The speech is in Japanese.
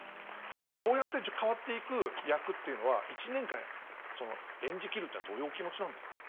そうやって変わっていく役っていうのは１年間その演じ切るっていうのはどういうお気持ちなんですか？